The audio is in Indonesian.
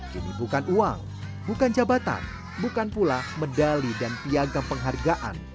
jadi bukan uang bukan jabatan bukan pula medali dan piaga penghargaan